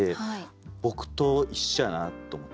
僕と一緒やなと思って。